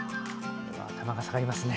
頭が下がりますね。